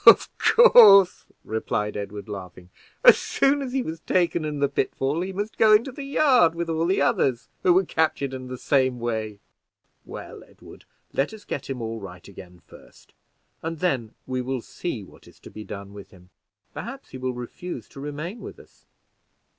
"Of course," replied Edward, laughing, "as he was taken in the pit fall, he must go into the yard with all the others who were captured in the same way." "Well, Edward, let us get him all right again first, and then we will see what is to be done with him; perhaps he will refuse to remain with us."